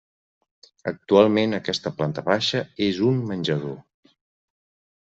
Actualment aquesta planta baixa és un menjador.